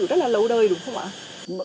rất là lâu đời đúng không ạ